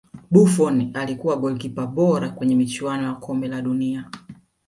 buffon alikuwa golikipa bora kwenye michuano ya kombe la dunia